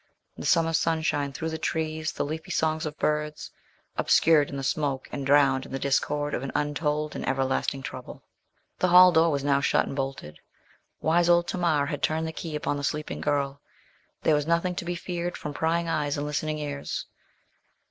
The summer sunshine through the trees, the leafy songs of birds, obscured in the smoke and drowned in the discord of an untold and everlasting trouble. The hall door was now shut and bolted. Wise old Tamar had turned the key upon the sleeping girl. There was nothing to be feared from prying eyes and listening ears.